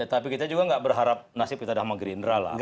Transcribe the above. tapi kita juga nggak berharap nasib kita udah sama gerindra lah